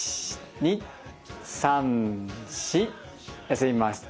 休みます。